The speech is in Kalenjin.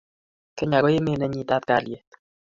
kenya ko emet nenyitat kalyet